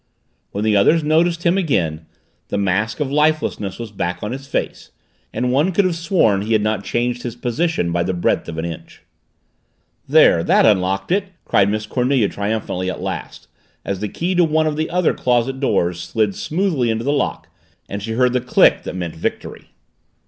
When the others noticed him again, the mask of lifelessness was back on his face and one could have sworn he had not changed his position by the breadth of an inch. "There that unlocked it!" cried Miss Cornelia triumphantly at last, as the key to one of the other closet doors slid smoothly into the lock and she heard the click that meant victory.